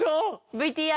ＶＴＲ。